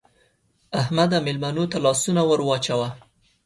احمده! مېلمنو ته لاسونه ور واچوه.